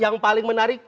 yang paling menarik